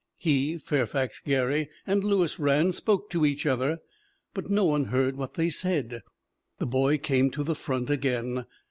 He [Fairfax Gary] and Lewis Rand spoke to each other, but no one heard what they said.' "The boy came to the front again.